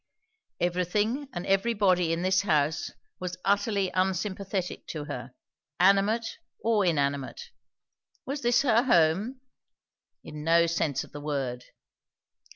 Everything and everybody in this house was utterly unsympathetic to her; animate or inanimate; was this her home? In no sense of the word.